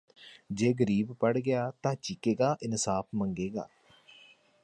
ਜੇ ਗ਼ਰੀਬ ਪੜ੍ਹ ਗਿਆ ਤਾਂ ਚੀਕੇਗਾ ਇਨਸਾਫ਼ ਮੰਗੇਗਾ